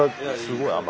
あすごい。